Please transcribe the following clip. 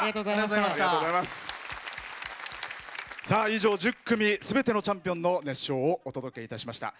以上、１０組すべてのチャンピオンの熱唱をお届けいたしました。